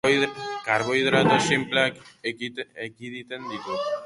Karbohidrato sinpleak ekiditen ditu.